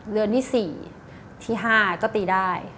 เดือนที่๔ที่๕ก็ตีได้